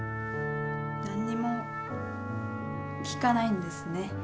何にも聞かないんですね。